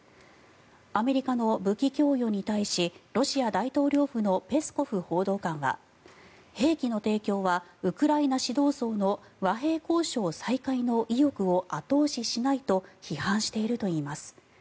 アメリカの武器供与に対しロシア大統領府のペスコフ報道官は兵器の提供はウクライナ指導層の和平交渉再開の意欲を後押ししないと批判しています。